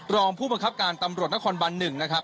รองผู้ประคับการตำรวจนครบันหนึ่งนะครับ